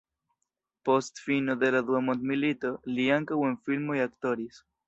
Post fino de la dua mondmilito li ankaŭ en filmoj aktoris.